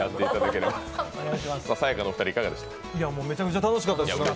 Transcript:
めちゃくちゃ楽しかったです。